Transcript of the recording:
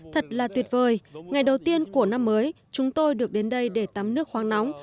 thật là tuyệt vời ngày đầu tiên của năm mới chúng tôi được đến đây để tắm nước khoáng nóng